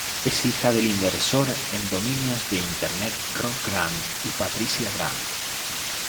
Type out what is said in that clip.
Es hija del inversor en dominios de Internet Rob Grant y de Patricia Grant.